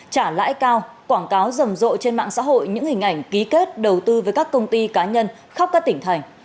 trả lãi cao quảng cáo rầm rộ trên mạng xã hội những hình ảnh ký kết đầu tư với các công ty cá nhân khắp các tỉnh thành